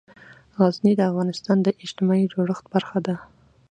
غزني د افغانستان د اجتماعي جوړښت برخه ده.